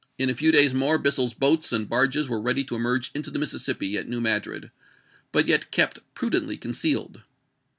XVII. lu a few days more Bissell's boats and barges were ready to emerge into the Mississippi at New Madrid, but yet kept prudently concealed.